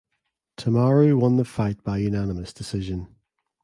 Tamaru won the fight by unanimous decision.